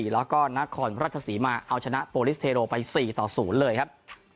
แล้วก็นครราชศรีมาเอาชนะโปรลิสเทโรไป๔ต่อ๐เลยครับ